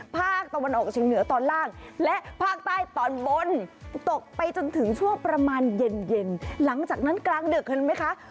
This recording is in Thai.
ภาคตะวันออกเชียงเหนือตอนล่างและภาคใต้ตอนบนตกไปจนถึงช่วงประมาณเย็นเย็นหลังจากนั้นกลางดึกเห็นไหมคะ